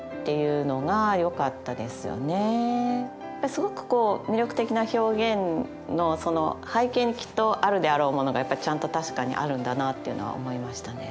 すごくこう魅力的な表現の背景にきっとあるであろうものがちゃんと確かにあるんだなっていうのは思いましたね。